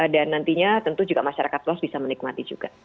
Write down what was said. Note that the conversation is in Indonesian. dan nantinya tentu juga masyarakat luas bisa menikmati juga